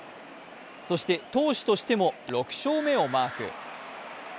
そして投手としても６勝目をマーク